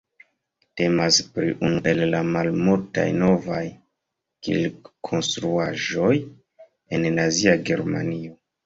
Temas pri unu el la malmultaj novaj kirkkonstruaĵoj en Nazia Germanio.